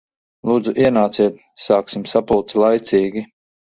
Lūdzu ienāciet, sāksim sapulci laicīgi.